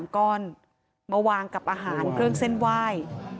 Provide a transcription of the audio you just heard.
ก้อนมาวางกับอาหารเครื่องเส้นไหว้